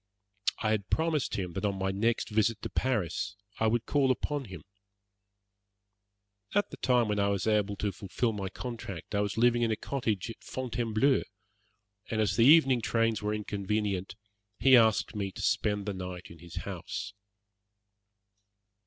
I had promised him that on my next visit to Paris I would call upon him. At the time when I was able to fulfil my compact I was living in a cottage at Fontainebleau, and as the evening trains were inconvenient, he asked me to spend the night in his house.